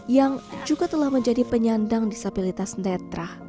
yang juga telah menjadi penyandang disabilitas netra